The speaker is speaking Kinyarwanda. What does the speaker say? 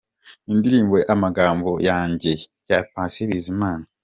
Indirimbo “Amagamo yanjye” ya Patient Bizimana.